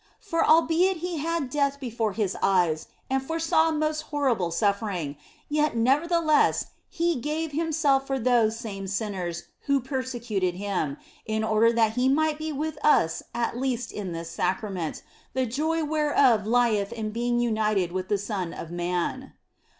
For albeit He had death before His eyes and foresaw most horrible suffer ing, yet nevertheless He gave Himself for those same sinners who persecuted Him, in order that He might be with us at least in this Sacrament, the joy whereof lieth in being united with the Son of Man.